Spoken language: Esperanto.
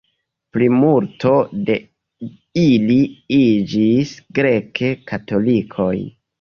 Plimulto de ili iĝis grek-katolikojn.